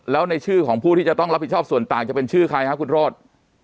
แล้วในชื่อของผู้ที่จะต้องรับผิดชอบส่วนต่างจะเป็นชื่อใครครับคุณโรธ